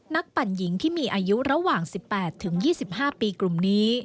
ปั่นหญิงที่มีอายุระหว่าง๑๘๒๕ปีกลุ่มนี้